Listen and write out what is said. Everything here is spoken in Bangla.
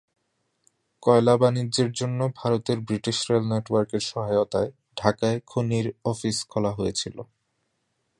কয়লা বাণিজ্যের জন্য ভারতের ব্রিটিশ রেল নেটওয়ার্কের সহায়তায় ঢাকায় খনির অফিস খোলা হয়েছিল।